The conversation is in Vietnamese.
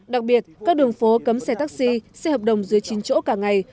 đặc biệt các đường phố cấm xe taxi xe hợp đồng dưới chín chỗ cả ngày